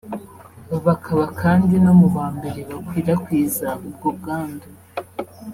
bakaba kandi no mu ba mbere bakwirakwiza ubwo bwandu